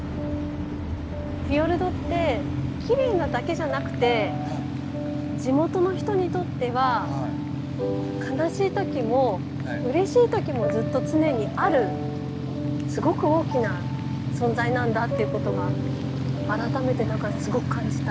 フィヨルドってきれいなだけじゃなくて地元の人にとっては悲しい時もうれしい時もずっと常にあるすごく大きな存在なんだってことが改めてすごく感じた。